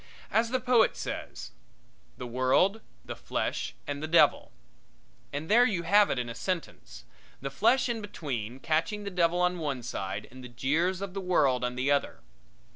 As the poet says "The world, the flesh and the devil" and there you have it in a sentence the flesh in between, catching the devil on one side and the jeers of the world on the other.